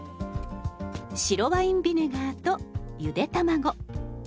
白ワインビネガーとゆで卵。